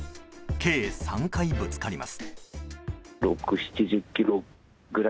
計３回ぶつかります。